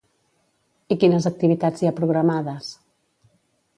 I quines activitats hi ha programades?